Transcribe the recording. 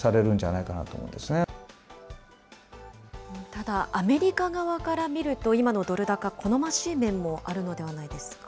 ただ、アメリカ側から見ると、今のドル高、好ましい面もあるのではないですか。